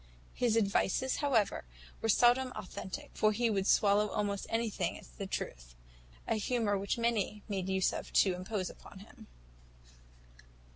His advices, however, were seldom authentic; for he would swallow almost anything as a truth a humour which many made use of to impose upon him.